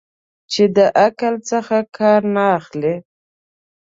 چې له عقل څخه کار نه اخلي.